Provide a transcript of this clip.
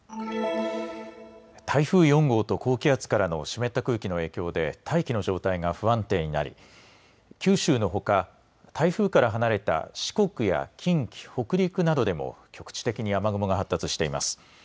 台風４号と高気圧からの湿った空気の影響で大気の状態が不安定になり九州のほか台風から離れた四国や近畿、北陸などでも局地的に雨雲が発達しています。